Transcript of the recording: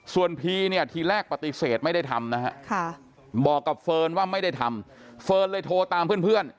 ส่วนพีเนี่ยทีแรกปฏิเสธไม่ได้ทำนะฮะบอกกับเฟิร์นว่าไม่ได้ทำเฟิร์นเลยโทรตามเพื่อน